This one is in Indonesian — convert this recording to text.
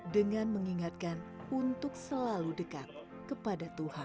dengan mengingatkan untuk selalu dekat kepada tuhan